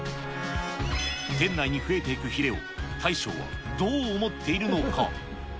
店内に増えていくヒレを、大将はどう思っているのか。